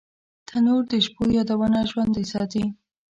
تنور د شپو یادونه ژوندۍ ساتي